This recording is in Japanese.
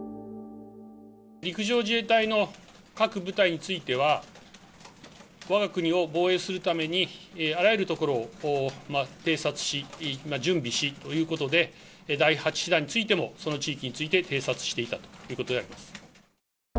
陸上自衛隊の各部隊については、わが国を防衛するために、あらゆる所を偵察し、準備しということで、第８師団についても、その地域について偵察していたということであります。